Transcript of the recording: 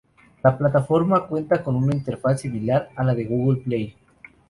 La plataforma cuenta con una interfaz similar a la de Google Play.